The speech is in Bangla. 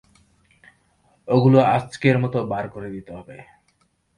ওগুলো আজকের মতো বার করে দিতে হবে।